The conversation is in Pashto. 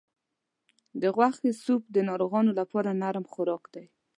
د غوښې سوپ د ناروغانو لپاره نرم خوراک دی.